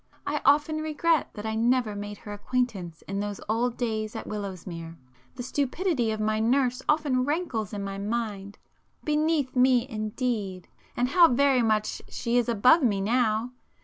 I often regret that I never made her acquaintance in those old days at Willowsmere,—the stupidity of my nurse often rankles in my mind. 'Beneath me'—indeed!—and how very much she is above me now!